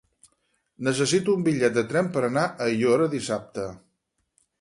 Necessito un bitllet de tren per anar a Aiora dissabte.